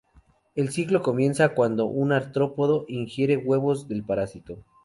El ciclo comienza cuando un artrópodo ingiere huevos del parásito.